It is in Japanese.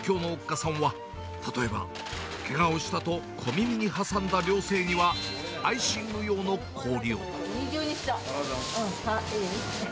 さんは、例えば、けがをしたと小耳に挟んだ寮生には、アイシング用の氷を。